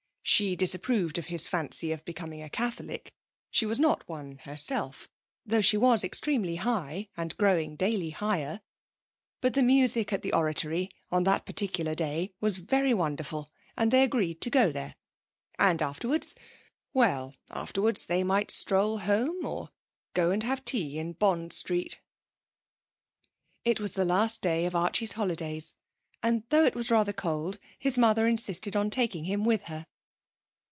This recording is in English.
She disapproved of his fancy of becoming a Catholic; she was not one herself, though she was extremely high, and growing daily higher, but the music at the Oratory on that particular day was very wonderful, and they agreed to go there. And afterwards well, afterwards they might stroll home, or go and have tea in Bond Street. It was the last day of Archie's holidays, and though it was rather cold his mother insisted on taking him with her.